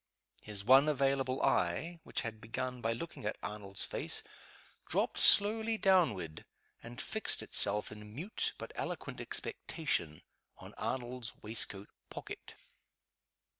His one available eye, which had begun by looking at Arnold's face, dropped slowly downward, and fixed itself, in mute but eloquent expectation, on Arnold's waistcoat pocket.